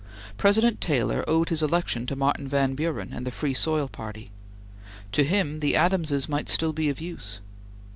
President Taylor owed his election to Martin Van Buren and the Free Soil Party. To him, the Adamses might still be of use.